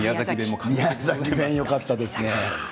弁よかったですね。